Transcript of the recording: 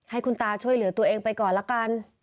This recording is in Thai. ให้คุณตาช่วยเหลือตัวเองไปก่อนละกัน